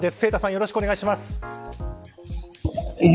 よろしくお願いします。